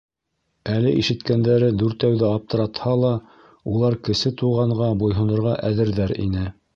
Әле ишеткәндәре Дүртәүҙе аптыратһа ла, улар Кесе Туғанға буйһонорға әҙерҙәр ине.